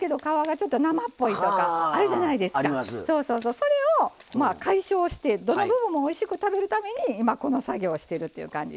それを解消してどの部分もおいしく食べるために今この作業をしてるっていう感じですね。